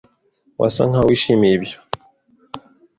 Wasa nkaho wishimiye ibyo.